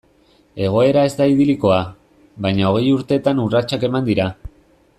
Egoera ez da idilikoa, baina hogei urtetan urratsak eman dira.